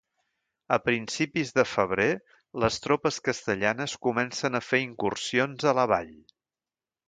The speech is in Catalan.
A principis de febrer, les tropes castellanes comencen a fer incursions a la vall.